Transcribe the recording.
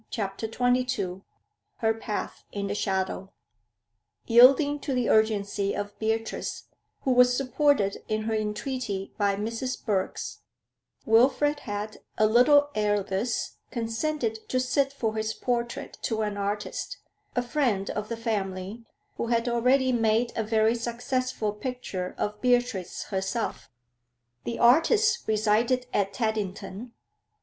CHAPTER XXII HER PATH IN THE SHADOW Yielding to the urgency of Beatrice, who was supported in her entreaty by Mrs. Birks, Wilfrid had, a little ere this, consented to sit for his portrait to an artist, a friend of the family, who had already made a very successful picture of Beatrice herself. The artist resided at Teddington.